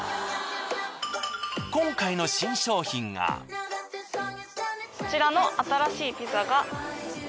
今回のこちらの新しいピザが。